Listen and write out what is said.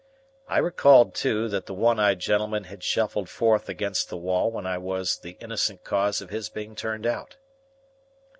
I recalled, too, that the one eyed gentleman had shuffled forth against the wall when I was the innocent cause of his being turned out.